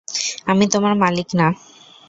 আমি তোমার মালিক না।